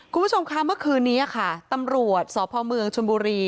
คุณผู้ชมคะเมื่อคืนนี้ค่ะตำรวจสพเมืองชนบุรี